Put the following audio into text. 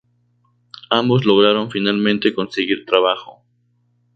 Ambos lograron finalmente conseguir trabajo.